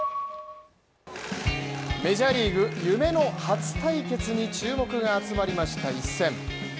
メジャーリーグ、夢の初対決に注目が集まりました一戦。